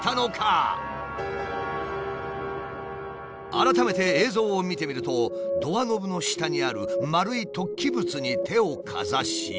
改めて映像を見てみるとドアノブの下にある丸い突起物に手をかざし。